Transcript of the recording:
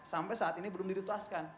sampai saat ini belum diutaskan